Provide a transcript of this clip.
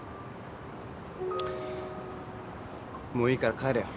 もういいから帰れよ。